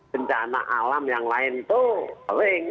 bencana alam yang lain tuh paling